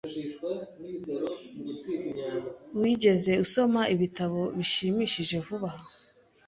Wigeze usoma ibitabo bishimishije vuba aha?